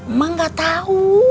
emak gak tau